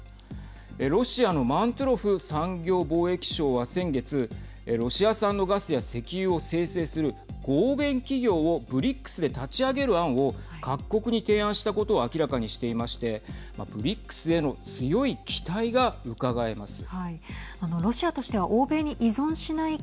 ロシアのマントゥロフ産業貿易相は先月ロシア産のガスや石油を精製する合弁企業をＢＲＩＣＳで立ち上げる案を各国に提案したことを明らかにしていましてＢＲＩＣＳへの強い期待がうかがえます。